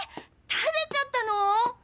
食べちゃったの！？